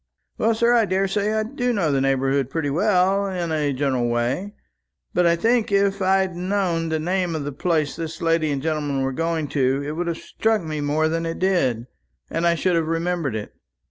"Well, sir, I daresay I do know the neighbourhood pretty well, in a general way. But I think, if I'd known the name of the place this lady and gentleman were going to, it would have struck me more than it did, and I should have remembered it.